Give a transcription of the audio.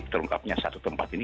terungkapnya satu tempat ini